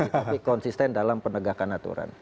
tapi konsisten dalam penegakan aturan